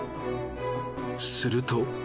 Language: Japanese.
すると。